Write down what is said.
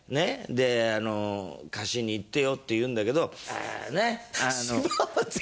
で「河岸に行ってよ」って言うんだけどねっ？